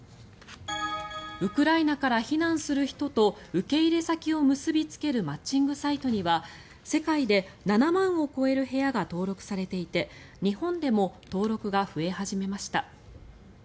ウクライナから避難する人と受け入れ先を結びつけるマッチングサイトには世界で７万を超える部屋が登録されていて日本でも登録が増え始めました。